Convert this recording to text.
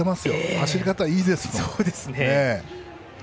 走り方いいですもん。